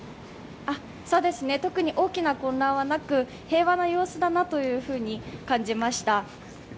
そうですね特に大きな混乱はなく、平和な様子だなというふうに感じました。